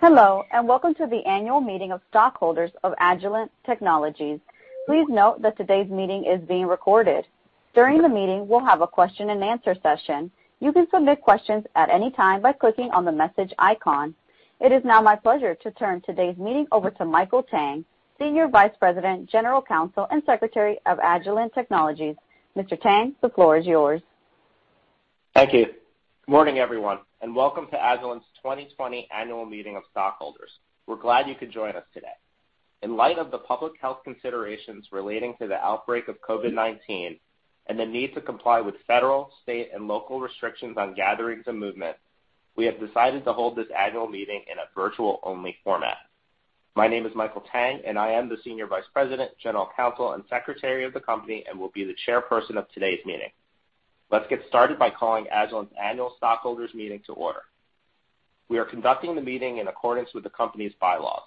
Hello, and welcome to the annual meeting of stockholders of Agilent Technologies. Please note that today's meeting is being recorded. During the meeting, we'll have a question and answer session. You can submit questions at any time by clicking on the message icon. It is now my pleasure to turn today's meeting over to Michael Tang, Senior Vice President, General Counsel, and Secretary of Agilent Technologies. Mr. Tang, the floor is yours. Thank you. Good morning, everyone, and welcome to Agilent's 2020 Annual Meeting of Stockholders. We're glad you could join us today. In light of the public health considerations relating to the outbreak of COVID-19 and the need to comply with federal, state, and local restrictions on gatherings and movement, we have decided to hold this annual meeting in a virtual-only format. My name is Michael Tang and I am the Senior Vice President, General Counsel, and Secretary of the company and will be the Chairperson of today's meeting. Let's get started by calling Agilent's annual stockholders meeting to order. We are conducting the meeting in accordance with the company's bylaws.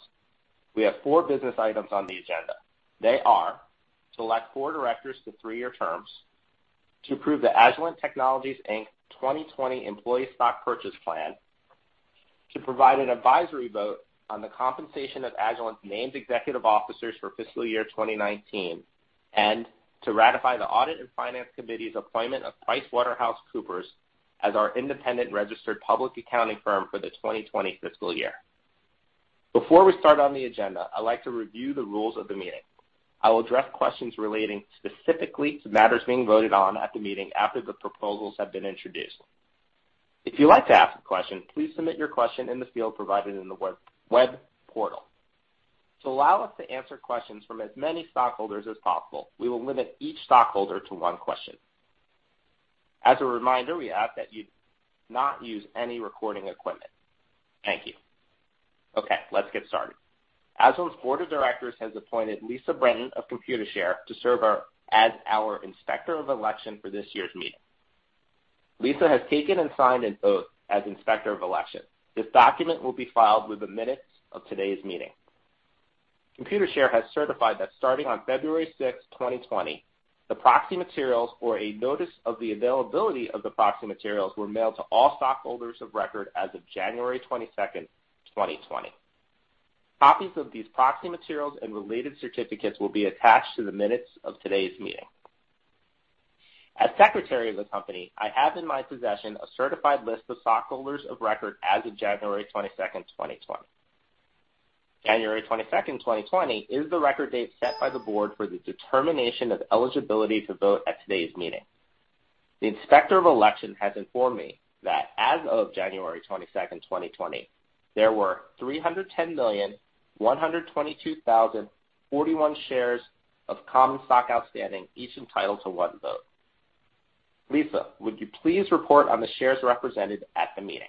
We have four business items on the agenda. They are to elect four directors to three-year terms, to approve the Agilent Technologies, Inc. 2020 Employee Stock Purchase Plan, to provide an advisory vote on the compensation of Agilent's named executive officers for fiscal year 2019, and to ratify the Audit and Finance Committee's appointment of PricewaterhouseCoopers as our independent registered public accounting firm for the 2020 fiscal year. Before we start on the agenda, I'd like to review the rules of the meeting. I will address questions relating specifically to matters being voted on at the meeting after the proposals have been introduced. If you'd like to ask a question, please submit your question in the field provided in the web portal. To allow us to answer questions from as many stockholders as possible, we will limit each stockholder to one question. As a reminder, we ask that you not use any recording equipment. Thank you. Okay, let's get started. Agilent's Board of Directors has appointed Lisa Brenton of Computershare to serve as our Inspector of Election for this year's meeting. Lisa has taken and signed an oath as Inspector of Election. This document will be filed within minutes of today's meeting. Computershare has certified that starting on February 6th, 2020, the proxy materials or a notice of the availability of the proxy materials were mailed to all stockholders of record as of January 22nd, 2020. Copies of these proxy materials and related certificates will be attached to the minutes of today's meeting. As Secretary of the company, I have in my possession a certified list of stockholders of record as of January 22nd, 2020. January 22nd, 2020 is the record date set by the Board for the determination of eligibility to vote at today's meeting. The Inspector of Election has informed me that as of January 22nd, 2020, there were 310,122,041 shares of common stock outstanding, each entitled to one vote. Lisa, would you please report on the shares represented at the meeting?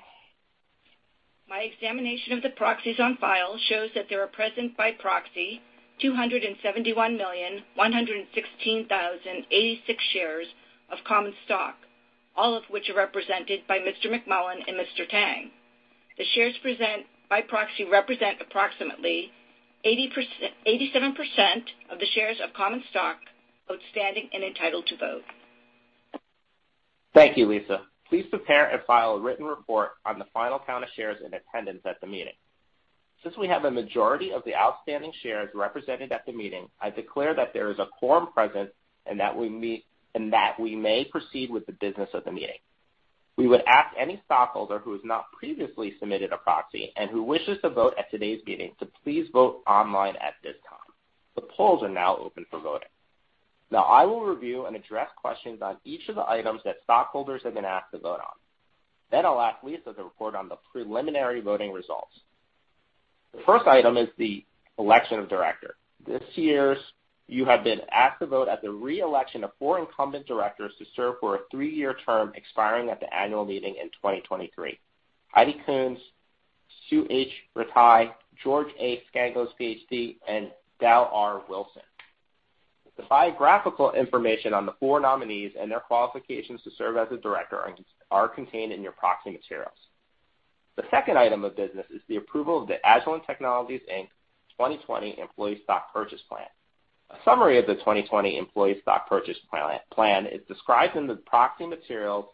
My examination of the proxies on file shows that there are present by proxy 271,116,086 shares of common stock, all of which are represented by Mr. McMullen and Mr. Tang. The shares present by proxy represent approximately 87% of the shares of common stock outstanding and entitled to vote. Thank you, Lisa. Please prepare and file a written report on the final count of shares in attendance at the meeting. Since we have a majority of the outstanding shares represented at the meeting, I declare that there is a quorum present and that we may proceed with the business of the meeting. We would ask any stockholder who has not previously submitted a proxy and who wishes to vote at today's meeting to please vote online at this time. The polls are now open for voting. Now I will review and address questions on each of the items that stockholders have been asked to vote on. I'll ask Lisa to report on the preliminary voting results. The first item is the election of Director. This year you have been asked to vote at the reelection of four incumbent directors to serve for a three-year term expiring at the annual meeting in 2023: Heidi Coons, Sue H. Rataj, George A. Scangos, Ph.D., and Dal R. Wilson. The biographical information on the four nominees and their qualifications to serve as a Director are contained in your proxy materials. The second item of business is the approval of the Agilent Technologies, Inc. 2020 Employee Stock Purchase Plan. A summary of the 2020 Employee Stock Purchase Plan is described in the proxy materials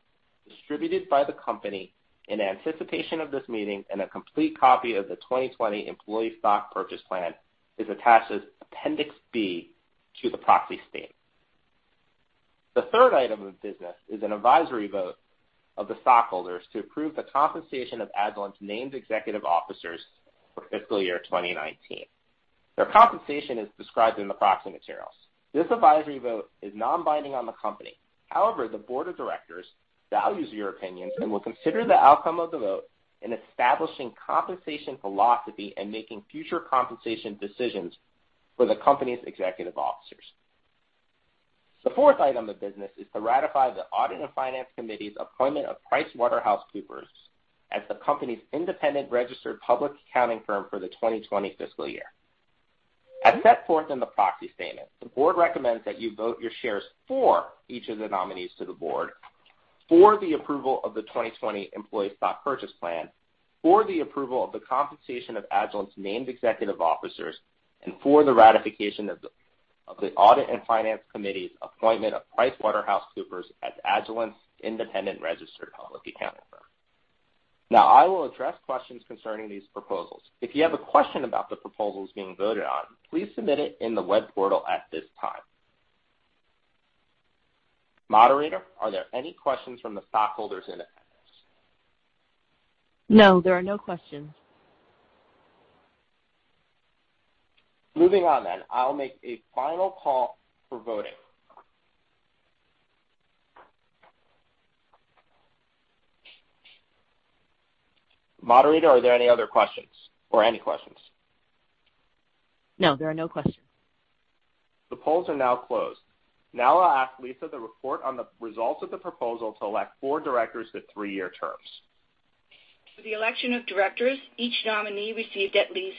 distributed by the Company in anticipation of this meeting, and a complete copy of the 2020 Employee Stock Purchase Plan is attached as Appendix B to the proxy statement. The third item of business is an advisory vote of the stockholders to approve the compensation of Agilent's named executive officers for fiscal year 2019. Their compensation is described in the proxy materials. This advisory vote is non-binding on the Company. However, the Board of Directors values your opinions and will consider the outcome of the vote in establishing compensation philosophy and making future compensation decisions for the Company's executive officers. The fourth item of business is to ratify the Audit and Finance Committee's appointment of PricewaterhouseCoopers as the Company's independent registered public accounting firm for the 2020 fiscal year. As set forth in the proxy statement, the Board recommends that you vote your shares for each of the nominees to the Board, for the approval of the 2020 Employee Stock Purchase Plan, for the approval of the compensation of Agilent's named executive officers, and for the ratification of the Audit and Finance Committee's appointment of PricewaterhouseCoopers as Agilent's independent registered public accounting firm. Now I will address questions concerning these proposals. If you have a question about the proposals being voted on, please submit it in the webinar portal at this time. Moderator, are there any questions from the Stockholders in Appendix, No, there are no questions. Moving on, I'll make a final call for voting. Are there any other questions or any questions? No, there are no questions. The polls are now closed. Now I'll ask Lisa to report on the results of the proposal to elect four directors to three-year terms. The election of directors. Each nominee received at least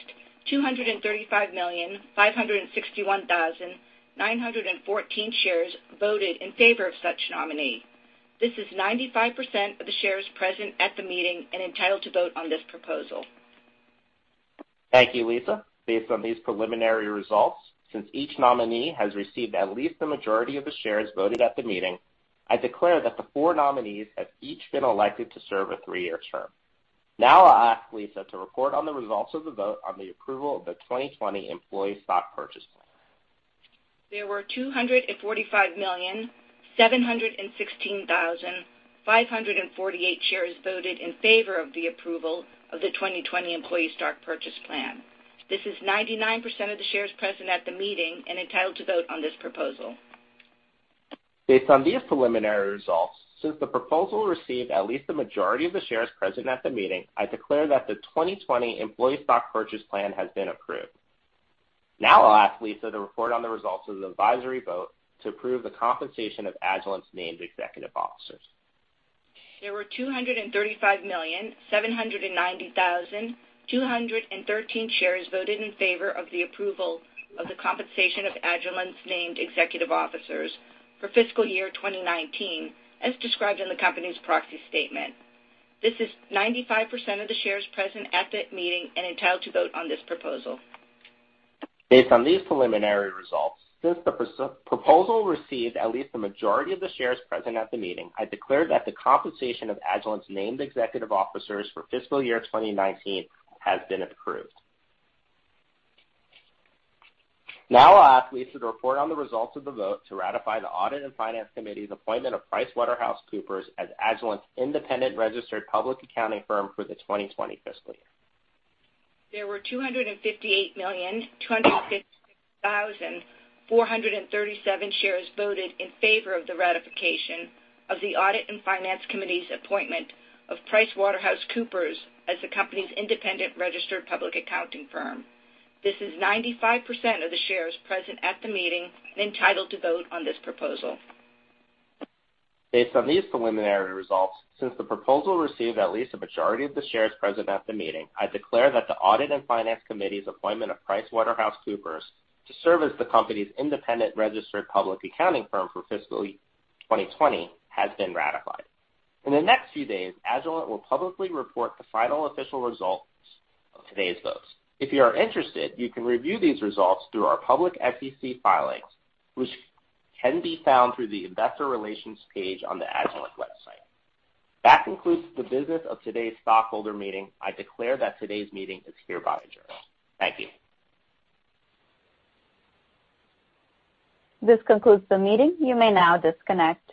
235,561,914 shares voted in favor of such nominee. This is 95% of the shares present at the meeting and entitled to vote on this proposal. Thank you, Lisa. Based on these preliminary results, since each nominee has received at least the majority of the shares voted at the meeting, I declare that the four nominees have each been elected to serve a three-year term. Now I'll ask Lisa to report on the results of the vote on the approval of the Agilent Technologies, Inc. 2020 Employee Stock Purchase Plan. There were 245,716,548 shares voted in favor of the approval of the Agilent Technologies, Inc. 2020 Employee Stock Purchase Plan. This is 99% of the shares present at the meeting and entitled to vote on this proposal. Based on these preliminary results, since the proposal received at least the majority of the shares present at the meeting, I declare that the Agilent Technologies, Inc. 2020 Employee Stock Purchase Plan has been approved. Now I'll ask Lisa to report on the results of the advisory vote to approve the compensation of Agilent's named executive officers. There were 235,790,213 shares voted in favor of the approval of the compensation of Agilent's named executive officers for fiscal year 2019 as described in the company's proxy statement. This is 95% of the shares present at that meeting and entitled to vote on this proposal. Based on these preliminary results, since the proposal received at least the majority of the shares present at the meeting, I declared that the compensation of Agilent's named executive officers for fiscal year 2019 has been approved. Now I'll ask Lisa to report on the results of the vote to ratify the Audit and Finance Committee's appointment of PricewaterhouseCoopers as Agilent's independent registered public accounting firm for the 2020 fiscal year. There were 258,256,437 shares voted in favor of the ratification of the Audit and Finance Committee's appointment of PricewaterhouseCoopers as the company's independent registered public accounting firm. This is 95% of the shares present at the meeting and entitled to vote on this proposal. Based on these preliminary results, since the proposal received at least a majority of the shares present at the meeting, I declare that the Audit and Finance Committee appointment of PricewaterhouseCoopers to serve as the company's independent registered public accounting firm for fiscal 2020 has been ratified. In the next few days, Agilent will publicly report the final official results of today's votes. If you are interested, you can review these results through our public SEC filings, which can be found through the Investor Relations page on the Agilent website. That concludes the business of today's stockholder meeting. I declare that today's meeting is hereby adjourned. Thank you. This concludes the meeting. You may now disconnect.